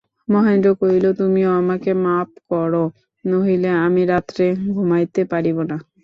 মহেন্দ্র কহিল, তুমিও আমাকে মাপ করো, নহিলে আমি রাত্রে ঘুমাইতে পারিব না।